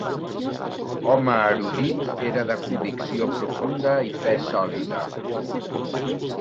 Home erudit, era de convicció profunda i fe sòlida.